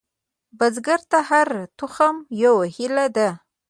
بزګر ته هره تخم یوه هیلې ده